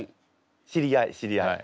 知り合い知り合い。